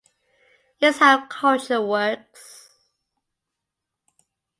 It's how culture works.